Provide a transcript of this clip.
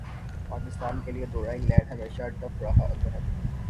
پاکستان کیلئے دورہ انگلینڈ ہمیشہ ٹف رہا اظہر علی